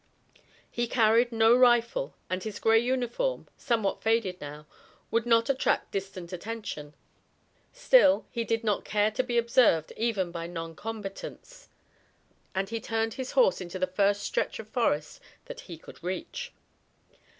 He carried no rifle, and his gray uniform, somewhat faded now, would not attract distant attention. Still, he did not care to be observed even by non combatants, and he turned his horse into the first stretch of forest that he could reach.